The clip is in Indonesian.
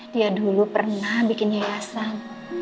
dia dulu pernah bikin yayasan